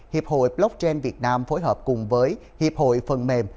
hiệp hội blockchain việt nam phối hợp cùng với hiệp hội phần mềm